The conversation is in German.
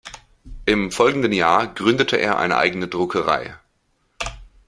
Im folgenden Jahr gründete er eine eigene Druckerei.